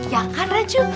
ya kan raju